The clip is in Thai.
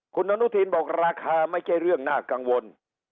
คุณอนุทินบอกราคาไม่ใช่เรื่องน่ากังวล